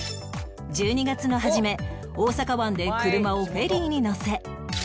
１２月の初め大阪湾で車をフェリーに載せ